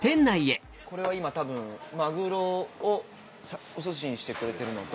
これは今たぶんマグロをお寿司にしてくれてるのと。